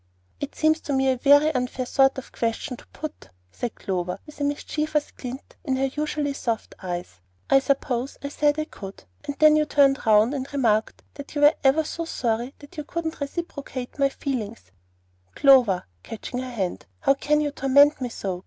"It seems to me a very unfair sort of question to put," said Clover, with a mischievous glint in her usually soft eyes. "Suppose I said I could, and then you turned round and remarked that you were ever so sorry that you couldn't reciprocate my feelings " "Clover," catching her hand, "how can you torment me so?